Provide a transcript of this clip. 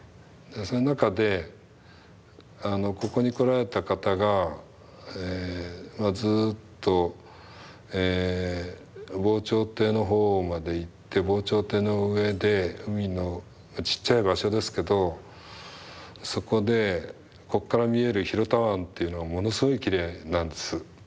そういう中でここに来られた方がずっと防潮堤の方まで行って防潮堤の上で海のちっちゃい場所ですけどそこでこっから見える広田湾っていうのはものすごいきれいなんです。